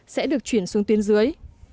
sẽ được chuyển xuống tiên dưới